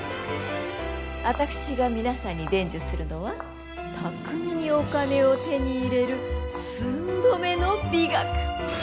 私が皆さんに伝授するのは巧みにお金を手に入れる寸止めの美学。